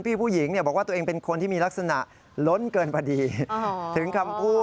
ถ้าพูดเพราะไปก็บอกแม่ค้าไม่ดุเนาะ